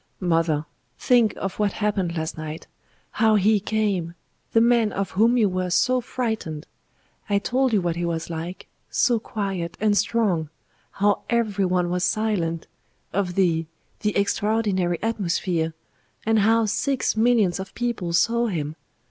Mother! think of what happened last night how He came the Man of whom you were so frightened. I told you what He was like so quiet and strong how every one was silent of the the extraordinary atmosphere, and how six millions of people saw Him.